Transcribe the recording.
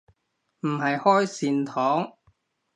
唔係開善堂